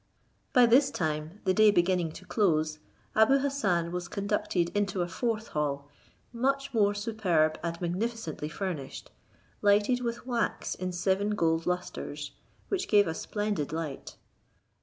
By this time the day beginning to close, Abou Hassan was conducted into a fourth hall, much more superb and magnificently furnished, lighted with wax in seven gold lustres, which gave a splendid light.